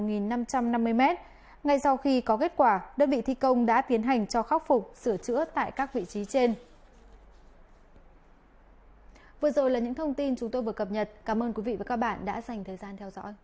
ngay sau khi có kết quả đơn vị thi công đã tiến hành cho khắc phục sửa chữa tại các vị trí trên